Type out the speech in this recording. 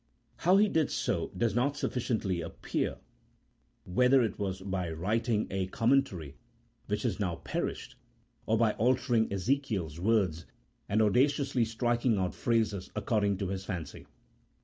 How he did so does not sufficiently appear, whether it was by writing a com 40 A THEOLOGICO POLITICAL TREATISE. [CHAP. II. nientary which has now perished, or by altering Ezekiel's words and audaciously striking out phrases according to his fancy.